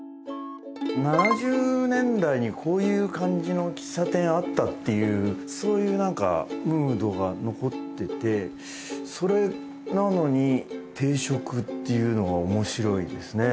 ７０年代にこういう感じの喫茶店あったっていうそういうムードが残っててそれなのに定食っていうのがおもしろいですね。